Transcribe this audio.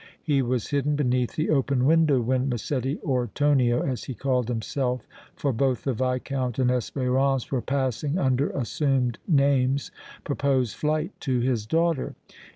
He was hidden beneath the open window when Massetti or Tonio, as he called himself, for both the Viscount and Espérance were passing under assumed names, proposed flight to his daughter.